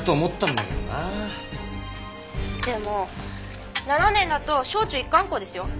でも７年だと小中一貫校ですよ。